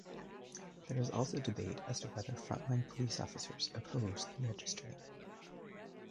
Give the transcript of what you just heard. There is also debate as to whether frontline police officers oppose the registry.